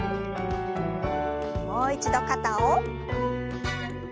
もう一度肩を。